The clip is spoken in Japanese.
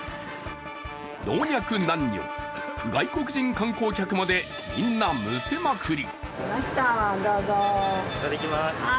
老若男女、外国人観光客までみんな、むせまくり。